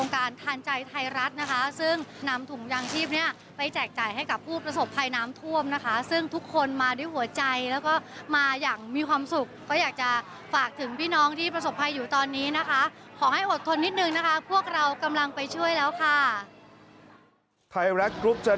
ไทรัตกรุ๊ปจะนำถุงยางชีพ